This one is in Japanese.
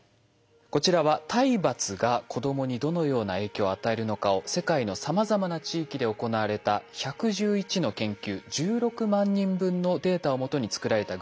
こちらは体罰が子どもにどのような影響を与えるのかを世界のさまざまな地域で行われた１１１の研究１６万人分のデータをもとに作られたグラフです。